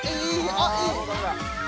ああいい！